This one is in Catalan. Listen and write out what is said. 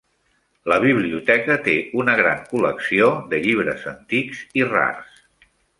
La biblioteca té una gran col·lecció de llibres antics i rars.